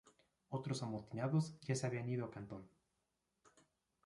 Otros amotinados ya se habían ido a Cantón.